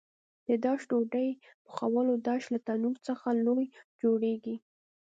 د داش ډوډۍ پخولو داش له تنور څخه لوی جوړېږي.